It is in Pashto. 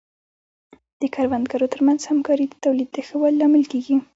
د کروندګرو ترمنځ همکاري د تولید د ښه والي لامل کیږي.